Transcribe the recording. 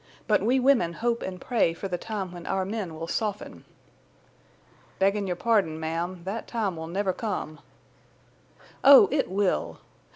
But we women hope and pray for the time when our men will soften." "Beggin' your pardon, ma'am—that time will never come." "Oh, it will!...